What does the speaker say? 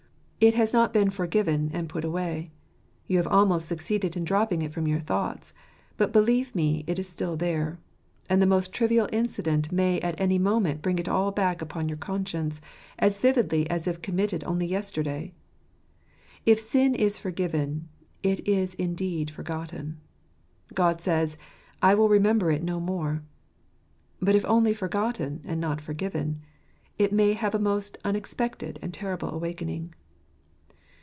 It has not been forgiven and put away ; you have almost succeeded in dropping it from your thoughts : but believe me it is still there ; and the most trivial incident may at any moment bring it all back upon your conscience, as vividly as if committed only yesterday. If sin is forgiven, it is indeed forgotten : God says, " I will remember it no more." But if only forgotten, and not forgiven, it may have a most unexpected and terrible awakening.